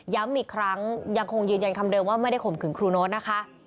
อีกครั้งยังคงยืนยันคำเดิมว่าไม่ได้ข่มขืนครูโน๊ตนะคะ